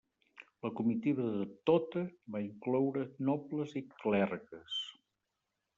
La comitiva de Tota va incloure nobles i clergues.